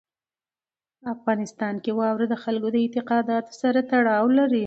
افغانستان کې واوره د خلکو د اعتقاداتو سره تړاو لري.